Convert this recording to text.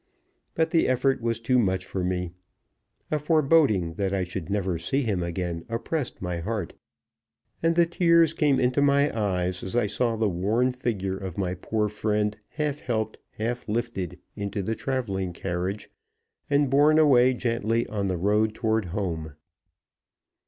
But the effort was too much for me. A foreboding that I should never see him again oppressed my heart, and the tears came into my eyes as I saw the worn figure of my poor friend half helped, half lifted into the traveling carriage, and borne away gently on the road toward home.